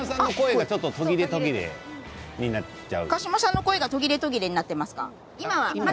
鹿島さんの声がちょっととぎれとぎれになっちゃう。